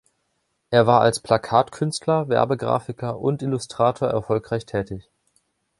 Er war als Plakatkünstler, Werbegrafiker und Illustrator erfolgreich tätig.